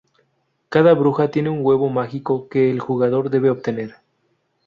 Cada bruja tiene un huevo mágico que el jugador debe obtener.